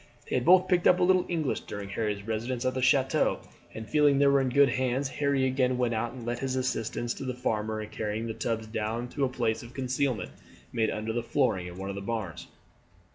They had both picked up a little English during Harry's residence at the chateau, and feeling they were in good hands, Harry again went out and lent his assistance to the farmer in carrying the tubs down to a place of concealment made under the flooring of one of the barns.